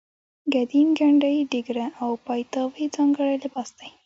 ګدین ګنډۍ ډیګره او پایتاوې ځانګړی لباس دی.